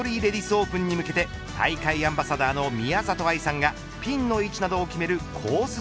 オープンに向けて大会アンバサダーの宮里藍さんがピンの位置などを決めるコース